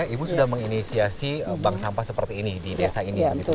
ibu sudah menginisiasi bank sampah seperti ini di desa ini